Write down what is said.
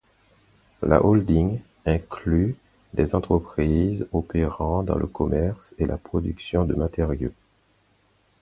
La holding inclut des entreprises opérant dans le commerce et la production de matériaux.